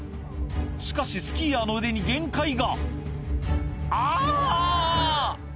しかしスキーヤーの腕に限界が「あぁ」